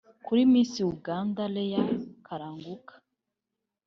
Kuri Miss Uganda Leah Kalanguka